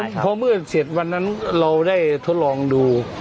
เพราะเมื่อเสร็จวันนั้นเราได้ทดลองดู